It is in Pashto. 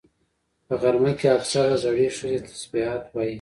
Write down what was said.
په غرمه کې اکثره زړې ښځې تسبيحات وایي